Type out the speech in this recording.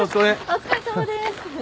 お疲れさまです。